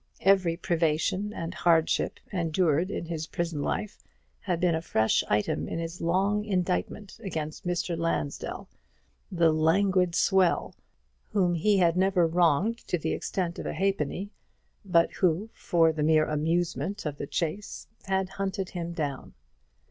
Every privation and hardship endured in his prison life had been a fresh item in his long indictment against Mr. Lansdell, the "languid swell," whom he had never wronged to the extent of a halfpenny, but who, for the mere amusement of the chase, had hunted him down.